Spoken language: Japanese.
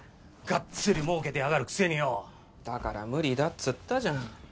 ガッツリもうけてやがるくせによだから無理だっつったじゃん